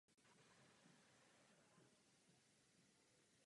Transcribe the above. Zlepšení životních podmínek přivedlo do provincie velký počet obchodníků a řemeslníků.